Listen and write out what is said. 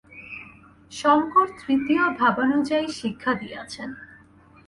শঙ্কর তৃতীয় ভাবানুযায়ী শিক্ষা দিয়াছেন।